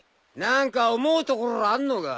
何か思うところあんのか？